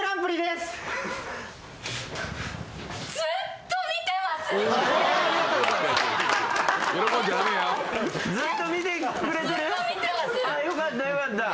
よかったよかった。